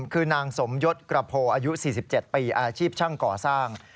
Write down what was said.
คือนางสมยศกระโพอายุ๔๗ปีอาชีพช่างก่อสร้าง